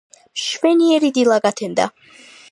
მშვენიერი დილა გათენდა